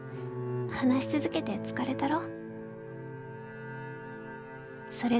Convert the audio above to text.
話し続けて疲れたろ」。